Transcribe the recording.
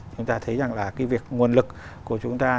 chúng ta thấy rằng là cái việc nguồn lực của chúng ta